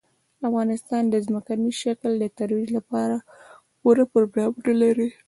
افغانستان د ځمکني شکل د ترویج لپاره پوره پروګرامونه لري.